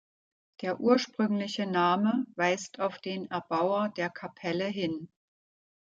Der ursprüngliche Name weist auf den Erbauer der Kapelle hin.